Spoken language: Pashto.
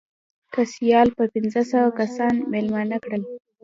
که سیال به پنځه سوه کسان مېلمانه کړل.